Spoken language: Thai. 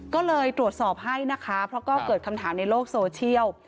ก็เลยตรวจสอบให้นะคะเพราะก็เกิดคำถามในโลกโซเชียล